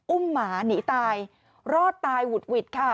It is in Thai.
หมาหนีตายรอดตายหุดหวิดค่ะ